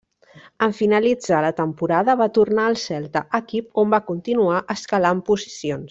En finalitzar la temporada va tornar al Celta, equip on va continuar escalant posicions.